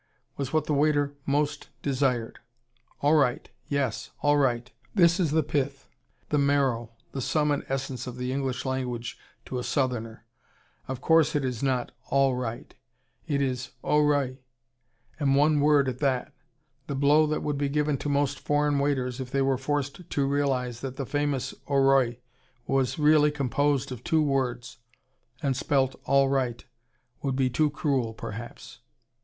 was what the waiter most desired. "All right! Yes! All Right!" This is the pith, the marrow, the sum and essence of the English language to a southerner. Of course it is not all right. It is Or rye and one word at that. The blow that would be given to most foreign waiters, if they were forced to realize that the famous orye was really composed of two words, and spelt all right, would be too cruel, perhaps.